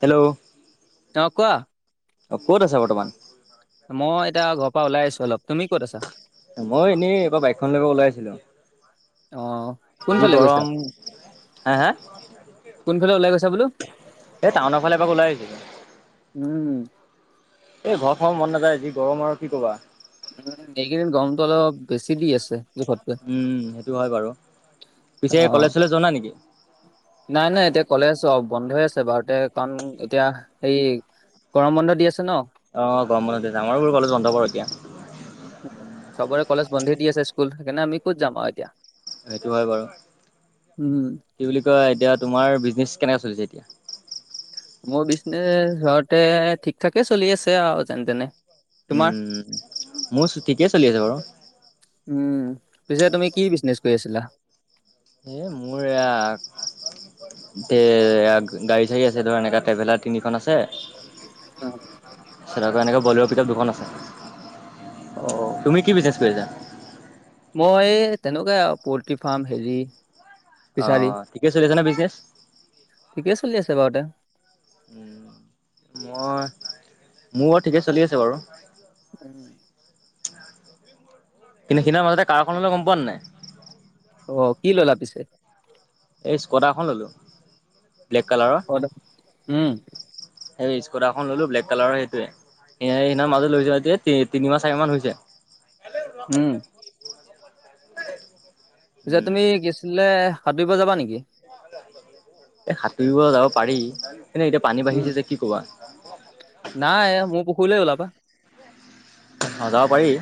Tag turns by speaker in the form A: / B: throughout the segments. A: Hello
B: অহ কোৱা
A: অ ক'ত আছা বৰ্তমান।
B: মই এতিয়া ঘৰ পৰা ওলাই আহিছো অলপ, তুমি ক'ত আছা?
A: মই এনেই এবাৰ বাইকখন লৈ ওলাই আহিছিলোঁ।
B: অ
A: যি
B: কোনফালে গৈছা
A: গৰম হে হা
B: কোনফালে ওলাই গৈছা বোলো
A: এই টাউনৰ ফালে এবাৰ ওলাই আহিছিল।
B: উম
A: এই ঘৰ খৰ মন নাযায় যি গৰম আৰু কি কবা
B: উম এইকেইদিন গমটো অলপ বেছি দি আছে জোখতকৈ
A: উম সেইটো হয় বাৰু
B: অ
A: পিছে কলেজ চলেজ যোৱা নাই নেকি?
B: নাই নাই এতিয়া কলেজ অফ বন্ধই আছে বাৰতে কাৰণ এতিয়া সেই গৰম বন্ধ দি আছে ন
A: অ গৰম বন দিছে আমাৰোবোৰ ভালো যন্ত ব এতিয়া
B: চবৰে কলেজ বন্ধে দি আছে স্কুল সেইকাৰণে আমি ক'ত যাম আৰু এতিয়া
A: সেইটো হয় বাৰু
B: উম
A: কি বুলি কয় এতিয়া তোমাৰ বিজনেছ কেনেকৈ চলিছে এতিয়া
B: মোৰ বিজনেছ ঘৰতে ঠিক ঠাকে চলি আছে আৰু যেনে তেনে তোমাৰ
A: উম মোৰ ঠিকে চলি আছে বাৰু
B: উম পিছে তুমি কি বিজনেচ কৰি আছিলা
A: এই মোৰয়া এ গাড়ী চাড়ী আছে ধৰা এনেকা ট্ৰেভেলাৰ তিনিখন আছে
B: অ
A: এনেকৈ বলৰ পিতাপ দুখন আছে
B: অ
A: তুমি কি বিজনেছ কৰিছা
B: মই তেনেকুৱাই আৰু পল্ট্ৰি ফাৰ্ম হেৰি
A: অ
B: বিচাৰি
A: ঠিকে চলি আছে নে বিজনেচ?
B: ঠিকে চলি আছে বাৰুতে
A: উম মই মোৰ ব ঠিকে চলি আছে বাৰু
B: উম
A: কিন্তু সেইদিনা মাজতে কাৰ এখন ললো গম পোৱা নাই
B: অ কি ললা পিছে?
A: এই স্কটাখন ললো ব্লেক কালাৰৰ
B: হদ উম
A: সেই স্কৰ্টা এখন ললো ব্লেক কালাৰৰ সেইটোৱে স সেইদিনা মাজত লৈ যোৱা এতিয়াতি তিনি মাহ চাৰি মাহ হৈছে
B: উম পিছে
A: উম।
B: তুমি কিছিলে সাতুৰিব যাবা নেকি?
A: এ সাতুৰিব যাব পাৰি ন নে এতিয়া পানী
B: উম
A: বাঢ়িছে যে কি কবা
B: কৰলে ওলবা
A: ন যাব পাৰি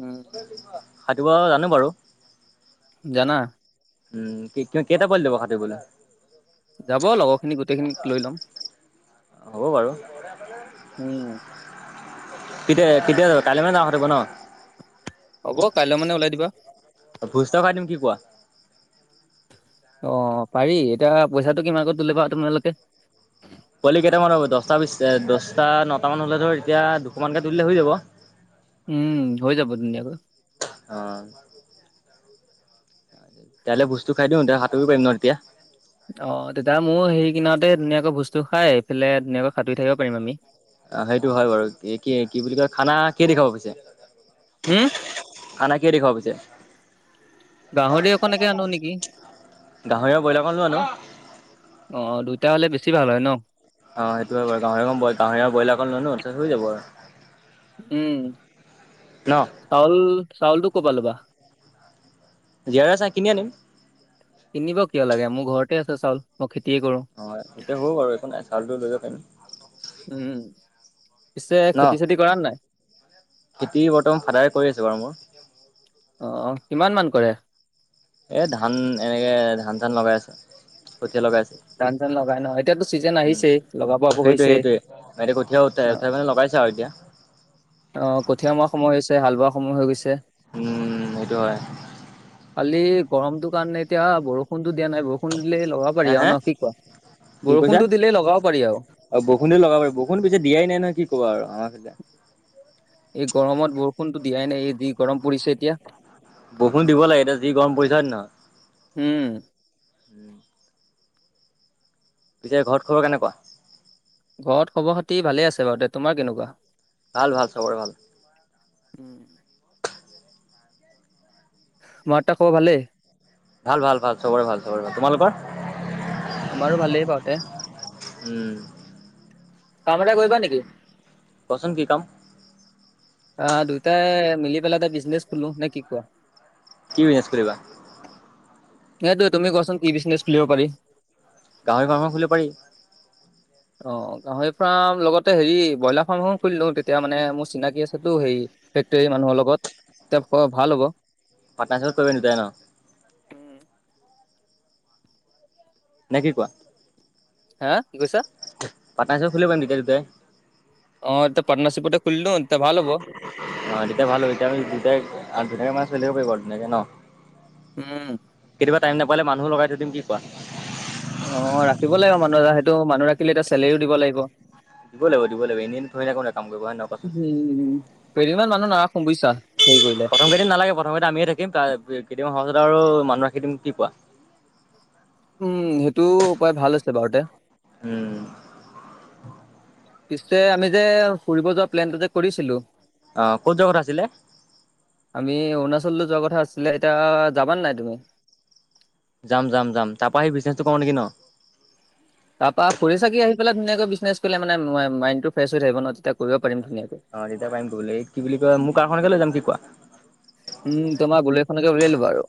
B: উম
A: সাতুৰিব জানো বাৰু
B: জানা
A: উম ক কেইটা ব দিব খাতে ব [unintelligible]
B: যাব লগৰখিনি গোটেইখিনিক লৈ ল'ম
A: হ'ব বাৰু
B: উম
A: কেতিয়া কেতিয়া যাব কালি মানে যাওঁ খাটিব
B: হ'ব কাইলৈ মানে ওলাই দিবা
A: ভোজ থকাই দিম কি কোৱা
B: অ পাৰি এতিয়া পইচাটো কিমান আগত তুলিবা তোমালোকে
A: পোৱালি কেইটামান হ'ব দহটা বিশ দহটা নটা মান হলে ধৰ এতিয়া দুশ মানকে তুলিলে হৈ যাব।
B: উম হৈ যাব ধুনীয়াকৈ
A: কাইলে ভোজতো খাই দিওঁ তেতিয়া সাতুৰি পাৰিম ন তেতিয়া-
B: অ তেতিয়া মোৰ হেৰি কিনতে ধুনীয়াকৈ বস্তু খাই এইফালে ধুনীয়াকৈ সাঁতুৰি থাকিব পাৰিম আমি
A: অ সেইটো হয় বাৰু কি কি বুলি কয় খানা কিহে দি খোৱা বুজিছে
B: হম
A: খানা কিহে খোৱা দি পিছে
B: গাহৰি অকণকে আনো নেকি
A: গাহৰি আৰু ব্ৰইলাৰকণ লৈ আনো।
B: অ দুইটা হলে বেছি ভাল হয় ন
A: অ সেইটোৱে বাৰু গাহৰি আৰু ব্ৰইলা অকন লৈ আন হৈ যাব আৰু
B: উম
A: ন?
B: চাউল চাউলটো কৰা পৰা ল'বা
A: জীয়াৰ চাই কিনি আনিম
B: কিনিব কিয় লাগে মোৰ ঘৰতে আছে চাউল মই খে
A: অ এতিয়া হ'ব বাৰু একো নাই চাউলটো লৈ যাব পাৰিম
B: উম, পিছে
A: ন
B: খেতি চেতি কৰা নাই?
A: খেতি বৰ্তমান ফাদাৰে কৰি আছো বাৰু মোৰ
B: অ কিমান মান কৰে
A: এ ধান এনেকে ধান চান লগাই আছো কঠীয়া লগাই আছে
B: ধান চান লগাই ন? এতিয়াতো চিজন
A: উম
B: আহিছেই, লগাব আকৌ
A: সেইটোৱে সেইটোয়ে
B: হৈছেই।
A: এতিয়া কঠিয়া উঠাই
B: অ',
A: উঠাই মানে লগাই ছা এতিয়া
B: অ কঠিয়া মৰা সময় হৈছে হাল বোৱা সময় হৈ গৈছে
A: উম সেইটো হয়
B: খালি গৰমটো কাৰণে এতিয়া বৰষুণতো দিয়া নাই বৰষুণ দিলে ল'ব
A: হে
B: পাৰি আৰু
A: হে
B: ন কি কোৱা
A: কি কৈছা
B: বৰষুণতো দিলেই লগাব পাৰি আৰু।
A: অ বৰষুণ দি লগাব পাৰি বৰষুণ পিছে দিয়াই নাই নহয় কি কবা আৰু আমাৰ সৈতে
B: এই গৰমত বৰষুণতো দিয়াই নাই এই যি গৰম পৰিছে এতিয়া
A: বৰষুণ দিব লাগে এতিয়া যি গৰম পৰিছে হয় নে নহয়
B: উম,
A: এতিয়া ঘৰত খবৰ কেনকুৱা
B: ঘৰত খবৰ খাতি ভালে আছে বাৰু দে তোমাৰ কেনেকুৱা
A: ভাল ভাল চবৰে ভাল
B: হুম [unintelligible] মাৰ দেউতা খবৰ ভালেই
A: ভাল ভাল ভাল চবৰে ভাল চবৰে ভাল তোমালোকৰ
B: আমাৰো ভালেই বহু
A: উম
B: কাম এটা কৰিবা নেকি
A: কচোন কি কাম
B: অ দুইটা মিলি পেলে এটা বিজনেচ খোলো নে কি কোৱা
A: কি বিজনেছ কৰিবা
B: এইটো তুমি কোৱাচোন কি বিজনেছ খুলিব পাৰি
A: গাহৰি ফাৰ্ম খুলিব পাৰি
B: অ গাহৰি ফাৰ্ম লগতে হেৰি ব্ৰইলাৰ ফাৰ্ম এখন খুলিলো তেতিয়া মানে মোৰ চিনাকি আছেতো হেৰি ফেক্টৰী মানুহৰ লগত তেতিয়া ভাল হ'ব
A: পাটনা চিপতলত কৰিবা দুটাই ন নে কি কোৱা
B: হা কি কৈছা
A: পাটনা চিপত খুলিব পাৰিম তেতিয়া দুইটাই
B: অ এয়া পাটনাচিপত খোলি নঁ
A: অ তেতিয়া ভাল হ'ব এতিয়া আমি দুইটাই দুটাকৈ মানে চলি থাকিব পাৰিব আৰু ধুনীয়াকে ন
B: উম
A: কিবা টাইম নাপালে মানুহো লগাই থৈ দিম কি কোৱা
B: অ ৰাখিব লাগিব মানুহ এ সেইটো মানুহ ৰাখিলে এতিয়া চেলেৰিও দিব লাগিব
A: দিব লাগিব দিব লাগিব এনেই থুৰি না কোনোবা কাম কৰিব হয় ন কোৱাচোন
B: উম কেইদিনমান মানুহ নাৰাখো বুইছা
A: প্ৰথম কেইদিন নালাগে প্ৰথম কেইটা আমিয়ে থাকিম ত কেইদিন সহজ আৰু মানুহ ৰাখি দিম কি কোৱা
B: উম সেইটো উপায় ভাল আছে বাৰুতে
A: উম
B: পিছে আমি যে ফুৰিব যোৱা প্লেনটো যে কৰিছিলো
A: আহ ক'ত যোৱা কথা আছিলে।
B: ল যোৱা কথা আছিলে এতিয়া যাবানে নাই তুমি।
A: যাম যাম যাম তাৰ পৰাৰা সি বিজনেচটো কওঁ নেকি ন।
B: তাৰ পৰা ফূৰি চাকি আহি পেলাই ধুনীয়াকৈ বিজনেছ কৰিলে মানে মাইণ্ডটো ফ্ৰেছ হৈ থাকিব ন তেতিয়া কৰিব। পাৰিম ধুনীয়াকৈ।
A: অ তেতিয়া পাৰিম বোলে এই কি বুলি কোৱা মোৰ কাৰখনকে লৈ যাম কি কোৱা।
B: উম তোমাৰ বুলেতখনকে উলিয়াই লবা আৰু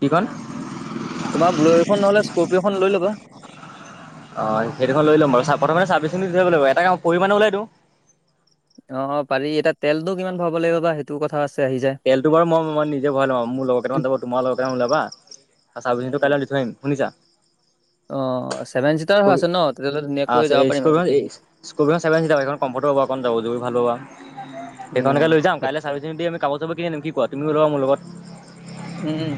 A: কিখন
B: তোমাৰ ব্ললেৰো'খন নহ'লে স্কপিঅ'খন লৈ ল'বা।
A: অ সেই দুখন লৈ ল'ম বাৰু চাহাপ মানে চাবিচ দি লাগিব এটা কাম পৰিমাণে ওলাইতো।
B: অ পাৰি এতিয়া তেলটো কিমান ভৰাব লাগিব বা সেইটো কথা আছে। আহি যায়।
A: তেলটো বাৰু মই মই নিজে ভাল লম মোৰ লগৰকেইটামান যাব তোমাৰ লগৰকেইটামান ওলাবা। চাৰবিছিং টো
B: উম,
A: কাইলৈ দি থৈ আহিম শুনিছা।
B: [inaudible] অ ছেভেন চিটাৰ হৈ
A: স্কৰপি
B: আছে ন তেতিয়াহ'লে
A: অ'
B: ধুনীয়াকৈ যাব
A: এই
B: পাৰিম আৰু
A: স্কৰপিঅ'খন এই
B: গোটেইখিনি।
A: স্কৰপিঅ'খন ছেভেন চিটাৰ সেইখন কমফৰ্ট হ'ব অকণ যাব যি ভালো হ আৰু
B: উম,
A: সেইখনকে লৈ যাম
B: সেই-
A: কাইলৈ চাৰ্ভিচিনি দি আমি কাগজ চাপ কিনি আম কি কোৱা তুমি ওলোৱা মোৰ লগত।
B: উম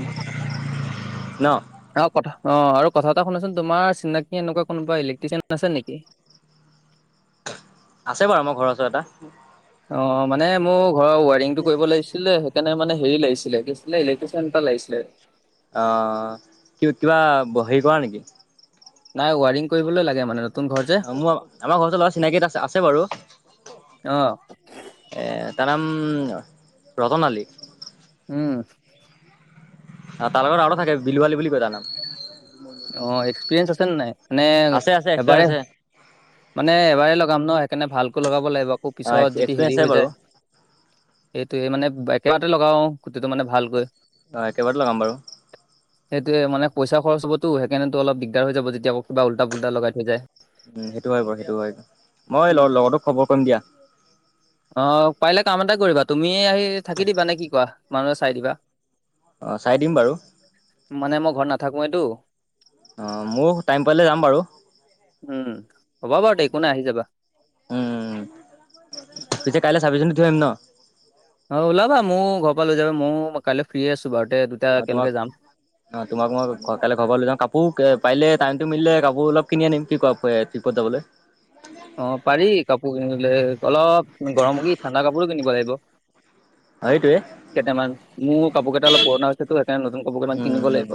A: ন
B: অ কথা অ আৰু কথা এটা শুনাচোন তোমাৰ চিনাকি এনেকুৱা কোনোবা ইলেক্ট্ৰিচিয়ান আছে নেকি? [inaudible]
A: আছে বাৰু আমাৰ ঘৰৰ ওচৰত এটা।
B: অ মানে মোৰ ঘৰৰ ওৱাৰিংটো কৰিব লাগিছিলে সেইকাৰণে মানে হেৰি লাগিছিলেছিলে ইলেকট্ৰিচিয়ান এটা লাগিছিলে।
A: অ কিবা হেৰি কৰা নেকি?
B: নাই ৱাৰিং কৰিবলৈ লাগে মানে নতুন ঘৰ যে
A: অ মোৰ আমাৰ ঘৰ ওচৰ ল'ৰা চিনাকি এটা আছে বাৰু
B: অ
A: এ। তাৰ নাম ৰতন আলী।
B: উম
A: তাৰ লগত আৰু থাকে বিলুৱালি বুলি কয় জানাম।
B: অ এক্সপিৰিয়েঞ্চ আছেনে নাই মানে
A: আছে আছে এক্সপিৰিয়েঞ্চ
B: এবাৰে।
A: আছে
B: মানে এবাৰেই লগাম ন সেইকাৰণে ভালকৈ লগাব লাগিব আকৌ পিছত যদি
A: এক্সপিৰিয়েঞ্চ
B: হেৰি
A: আছে
B: হৈ
A: বাৰু
B: যায়। সেইটোয়ে মানে একেবাৰতে লগাও গুটিটো মানে ভালকৈ।
A: অ একেবাৰে লগাম বাৰু
B: সেইটোৱে মানে পইচা খৰচ হব'তো সেইকাৰেতো অল দিগদাৰ হৈ যাব যেতিয়া কিবা উল্টা পল্টা লগাই থৈ যায়।
A: উ সেইটো হয় বাৰু সেইটো হয় মই লগতো খবৰ কৰিম দিয়া।
B: অ পাৰিলে কাম এটা কৰিবা তুমি আহি থাকি দিবা নে কি কোৱা মানুহে চাই দিবা।
A: অঁ চাই দিম বাৰু
B: থাকোৱেটো
A: অহ, ময়ো টাইম পালে যাম বাৰু।
B: উম, হ'ব বাৰু একো নাই আহি যাবা।
A: উম পিছে কাইলৈ ছাগলী জনী থৈ আহিম ন'?
B: অহ, ওলাবা মোও ঘৰৰ পৰা লৈ যাবা ময়ো কাইলে ফ্ৰী আছো। বাৰু তে দুটা
A: অহ, তোমাক
B: একেলগে যাম।
A: অহ তোমাক মই কাইলৈ ঘৰৰ পৰা লৈ যাওঁ কাপোৰ পাৰিলে টাইমটো মিলিলে কাপোৰ অলপ কিনি আনিম কি কোৱা আ ট্ৰিপত যাবলৈ।
B: অহ, পাৰি কাপোৰ কিনিলে অলপ গৰম কি ঠাণ্ডা কাপোৰো কিনিব লাগিব।
A: অ', সেইটোৱে
B: কেইটামান মোৰ কাপোৰ কেইটা অলপ পুৰণা হৈছে তো সেইকাৰণে নতুন কাপোৰ কেইটা মান কিনিব লাগিব।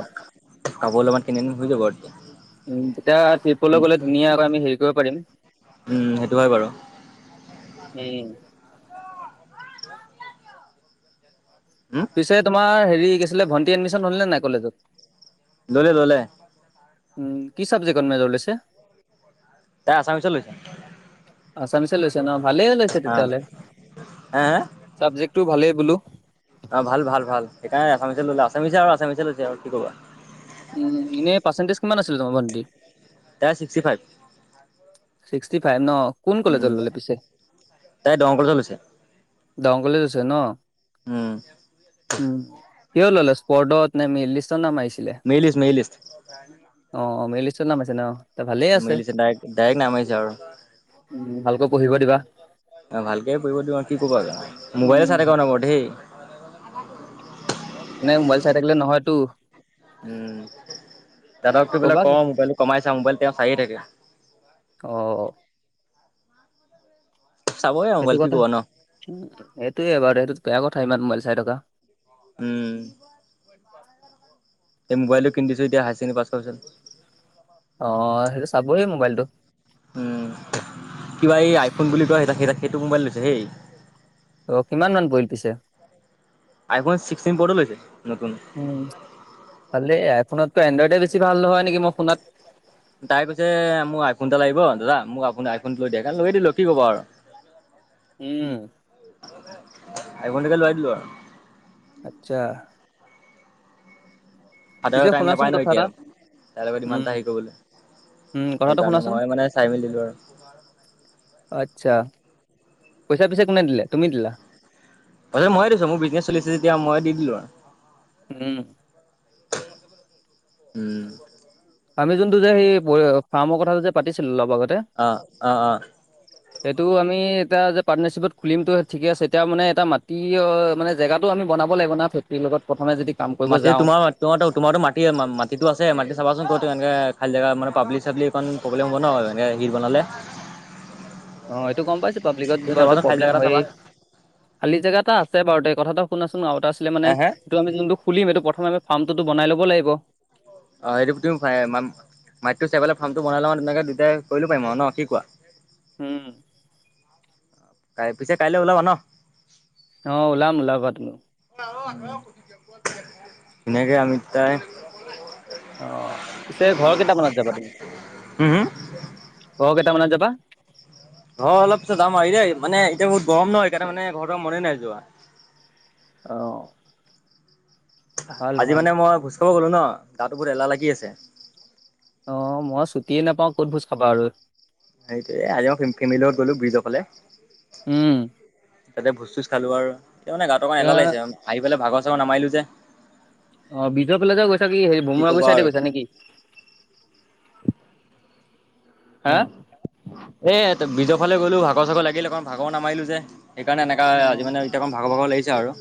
A: পাব অলপমান কিনিম হৈ যাব আৰু
B: এতিয়া ট্ৰিপলৈ গ'লে ধুনীয়া এটা আমি হেৰি কৰিব পাৰিম।
A: উম, সেইটো হয় বাৰু।
B: উম।
A: উম,
B: পিছে তোমাৰ হেৰি কিছিলে ভণ্টি এডমিশন হ'লনে নাই কলেজত?
A: ললে-ললে।
B: উম, কি চাবজেক্টত মেজৰ লৈছে?
A: তাই আছামীচত লৈছে।
B: আছামিছে লৈছে ন' ভালে লৈছে
A: অ',
B: তেতিয়াহলে
A: হে
B: [unintelligible] চাবজেক্টটো ভালে। বুলো।
A: অহ, ভাল-ভাল-ভাল সেইকাৰণে আছামিছে ললে আছামিছে আৰু আছামিছে লৈছে আৰু কি ক'বা।
B: উম, এনেই পাৰ্চেণ্টেজ কিমান আছিলে তোমাৰ ভণ্টি?
A: তাইৰ ছিক্সটি ফাইভ।
B: ছিক্সটি ফাইভ ন' কোন কলেজত
A: উম,
B: ল'লে পিছে?
A: তাই দৰং কলেজত লৈছে
B: ডং কলেজ আছে ন
A: উম,
B: উম। কিয় ললে স্পৰ্ডত, নে মেইন লিষ্টতে নাম আহিছিলে
A: মেৰি লিষ্ট মেৰি লিষ্ট
B: অ', - অ', মেইন [unintelligible] নাম আছে ন'? তে ভালেই আছে।
A: মিলিছে ডাইৰেক-ডাইৰেক্ট নাম আহিছে
B: [unintelligible]
A: আৰু
B: দিব দিবা।
A: অহ, ভালকে কৰিব দিম আৰু কি ক'বা আ মোবাইলে চাই থাকে অনবৰতে দেই [inaudible]
B: এনে মোবাইল চাই থাকিলে নহয়তো।
A: উম, দাদাকটো বোলে
B: ক'বা
A: কও মবাইলটো কমাই চা মোবাইল তেওঁ চাইহে থাকে।
B: অ',
A: চাবই আৰু
B: সেইটো
A: মোবাইল কি
B: কথা
A: ক'ব ন
B: সেইটোৱেই বাৰু এইটো বেয়া কথা ইমান মোবাইল চাই থকা।
A: উম এই মোবাইলটো কিনি দিছো এতিয়া হায়াৰ ছেকেণ্ড পাছ কৰা পিছত।
B: অ', সেইটো চাবই মোবাইলটো।
A: উম, কিবা এই আইফোন বুলি কোৱা সেই - সেইটো মোবাইল লৈছে হেই।
B: অহ, কিমান মান পৰিল পিছে?
A: আইফোন ছিক্সটিন প্ৰ'টো লৈছে নতুন
B: [inaudible] উম ভলে আইফোনত ত' এনড্ৰইডে বেছি ভাল নহয় নেকি মই শুনাত।
A: তাই কৈছে মোৰ আইফোন এটা লাগিব দাদা মোক আপুনি আইফোন লৈ দিয়ে কাৰণ লৈ দিলো কি ক'বা আৰু।
B: উম
A: আইফোনটোকে লৈ দিলো আৰু।
B: আচ্ছা।
A: সদায়ো
B: পিছে
A: টাইম
B: শুনাচোন
A: নাপায় ন'
B: কথা
A: এতিয়া
B: এটা
A: আৰু তাইৰ লগত ইমান
B: উম।
A: এটা হে
B: উম,
A: কৰিবলৈ।
B: কথাটো
A: সেইকাৰণে
B: শুনাচোন
A: মই মানে চাই মেলি দিলোঁ আৰু।
B: আচ্ছা পইচা পিছে কোনে দিলে তুমি দিলা?
A: প‌ইছা মইয়ে দিছো মোৰ বিজনেছ চলি আছে যেতিয়া ময়ে দিলো আৰু।
B: উম
A: উম
B: আমি যোনটো যে [unintelligible] সেই ফাৰ্মৰ কথাটো যে পাতিছিলো লব আগত [inaudible]
A: অ-অ-অ [unintelligible]
B: সেইটো আমি এতিয়া যে পাৰ্টনাৰশ্বিপ তখুলিমতো ঠিকে আছে এতিয়া মানে এটা মাটি মানে জেগাটো আমি [unintelligible] বনাব লাগিব না [unintelligible] লগত প্ৰথমে যদি কাম কৰিব
A: মাটি
B: যাওঁ
A: তোমাৰ তোমাৰো-তোমাৰো মাটি মাটিতটো আছে মাটি চাবা চোন ক'ত [unintelligible] এনেকে খাল জেগা মানে পাব্লিক-চাবলিক প্ৰব্লেম হ'ব ন এনেক হিৰ বনালে [unintelligible]
B: অ এইটো গম পাইছো পাব্লিকত
A: তুমি
B: বাৰু
A: চাবাচোন খালি
B: প্ৰব্লেম
A: জেগা এটা
B: হয়
A: চাবা।
B: খালী জেগা এটা আছে বাৰু দে কথাটো [unintelligible] [unintelligible] আছিলে মানে
A: অ
B: সেইটো আমি যোনটো খুলিম এইটো প্ৰথমটো আমি ফাৰ্মটো বনাই ল'ব লাগিব [unintelligible]
A: অ হেৰি তুমি ম [unintelligible] মাটিটো চাই পেলাই ফাৰ্মটো বনাই লওঁ তেনেকে দুইটাই কৰিলো পাৰিম আৰু নে কি কোৱা [unintelligible]
B: হুম [unintelligible]
A: তাই পিছে কাইলৈ ওলাবা ন [unintelligible]
B: অ ওলাম ওলাবা তুমি [unintelligible]
A: এনেকে আমি তাই
B: অ পিছে ঘৰৰ কেইটামানত যাবা তুমি
A: হুম হুম
B: ঘৰ কেইটা মানত যাবা।
A: অ অলপ পিছত যাম আৰু আহি দেই মানে এতিয়া বহুত গৰম নহ সেইকাৰণে মানে ঘৰ যাব মনে নাই যোৱা
B: আহঁ
A: আজি মানে মই ভোজ খাবৰ গ'লোঁ ন, গাটো বহুত এলাহ লাগি আছে।
B: অ মই ছুটিয়ে নাপাওঁ ক'ত ভোজ খাবা আৰু।
A: সেইটো আজি মই ফেমিলিৰ লগত গ'লো ব্ৰিজৰ ফালে।
B: উম
A: তাতে ভোজ -চোজ খালোঁ আৰু তাৰ মানে গাটো অলপ এলাল
B: এ
A: লাগিছে আহি পেলাই ভাগৰ চাগৰ নামাৰিলো যে
B: অ ব্ৰিজয়ফালে যে গৈছা কি সে বমুৱাগৰ
A: ক'বা
B: চাইডে
A: আৰু
B: গৈছা নেকি? হা
A: অ এ ব্ৰিজৰ ফালে গলো ভাগৰ চাগৰ লাগিলে অকমান ভাগৰ নামাৰিলো যে। সেইকাৰণে এনেকুৱা
B: অ
A: আজি মানে এতিয়া অকমান ভাগ ভাগৰ লাগিছে আৰু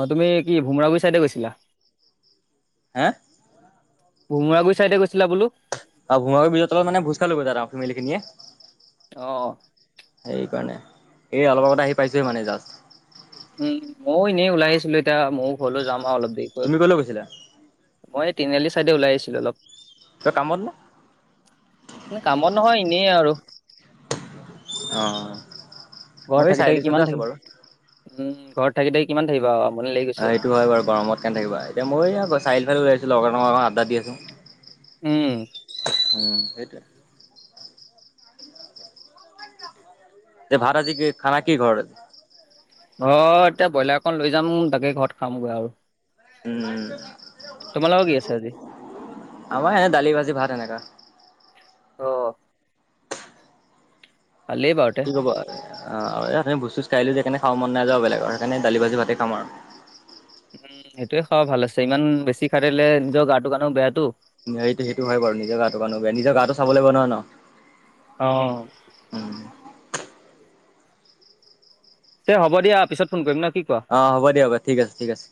B: অ তুমি কি ভোমৰাবুৰি ছাইডে গৈছিলা।
A: হে
B: ভোমুৰাগুৰি চাইডে গৈছিলা বোলো।
A: আৰু ভোমোৰা ব্ৰিজৰ তলত মানে ভোজ খাবলে গৈ মিনে
B: অ
A: সেই কাৰণে এই অলপ আগতে আহি পাইছোহে মানে জাষ্ট
B: উম মইয়ো এনেই ওলাই আহিছিলো এতিয়া মইয়ো ঘৰলৈ যাম আৰু অলপ দেৰিকৈ।
A: তুমি ক'লৈ গৈছিলা
B: মই তিনাআলি চাইডে ওলাই আছিলো অলপ
A: তই কামত নে
B: কামত নহয় এনেই আৰু।
A: অ।
B: ঘৰত
A: মই এই
B: থাকি থাকি
A: চাৰিআলিচতে
B: কিমান
A: আছো
B: থাকিম,
A: বাৰু
B: উম ঘৰত থাকি থাকি কিমান থাকিবা আৰু আমনি লাগি গৈছে
A: অ সেইটো হয় বাৰু গৰমত কেনে থাকিবা এতিয়া মই চিলফালে উলাই আছো লগৰ লগকেইটাৰ লগত আড্ডা দি আছোঁ।
B: উম
A: উম সেইটোৱে। এই ভাত কি খানা কি ঘৰ আজি
B: অ এতিয়া ব্ৰইলাৰক লৈ যাম তাকে ঘৰত খামগৈ আৰু।
A: উম!
B: তোমালোকৰ কি আছে আজি
A: উম! আমাৰ এনে দালি ভাজি ভাত এনেকা।
B: অ ভালেই বাৰুতে
A: কি ক'ব ইয়া তমি বুজিছোঁ কালিখিনি খাব মন যোৱা নাই আৰু বেলেগৰ সেইকাৰণ দালি ভাজি ভাতে খাম আৰু।
B: উম সেইটোয়ে খাব ভাল আছে ইমান বেছি খাই থাকিলে নিজৰ গাটোৰ কাৰণেও বেয়াটো।
A: টো সেইটো হয় বাৰু নিজৰ গাটো কানো বেয়া নিজৰ গাটো চাব লাগিব নহয় ন।
B: অঁ
A: উম
B: এ হ'ব দিয়া পিছত ফোন কৰিম ন। কি কোৱা
A: অ হ'ব দিয়া হ'ব ঠিক আছে ঠিক আছে।